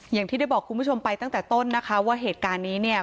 อย่างที่ได้บอกคุณผู้ชมไปตั้งแต่ต้นนะคะว่าเหตุการณ์นี้เนี่ย